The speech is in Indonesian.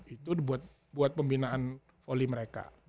itu buat pembinaan volley mereka